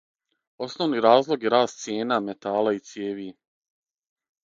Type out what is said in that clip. Основни разлог је раст цијена метала и цијеви.